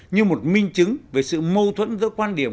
như một minh chứng về sự mâu thuẫn giữa quan điểm